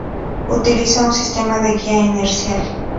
Utiliza un sistema de guía inercial.